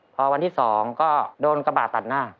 พอวันที่๒ก็โดนกระบาดตัดหน้า